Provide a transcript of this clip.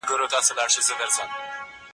زه به سبا د کتابتوننۍ سره مرسته وکړم.